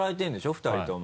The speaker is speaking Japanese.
２人とも。